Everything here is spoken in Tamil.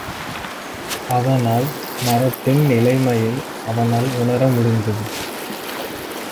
அதனால் மரத்தின் நிலைமையை அவனால் உணர முடிந்தது.